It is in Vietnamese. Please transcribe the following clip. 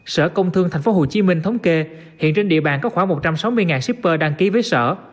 sở công thương tp hcm thống kê hiện trên địa bàn có khoảng một trăm sáu mươi shipper đăng ký với sở